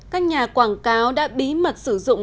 các nhà quảng cáo đã bí mật sử dụng